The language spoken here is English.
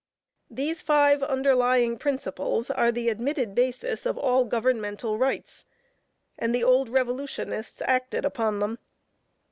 These five underlying principles are the admitted basis of all governmental rights, and the old revolutionists acted upon them.